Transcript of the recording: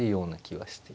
はい。